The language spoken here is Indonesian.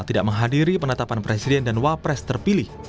tidak menghadiri penetapan presiden dan wapres terpilih